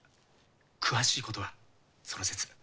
詳しいことはそのせつ。